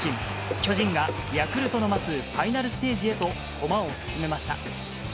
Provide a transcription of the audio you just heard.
巨人がヤクルトの待つファイナルステージへと駒を進めました。